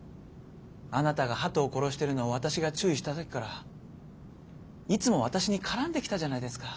あなたがハトを殺してるのを私が注意した時からいつも私に絡んできたじゃないですか。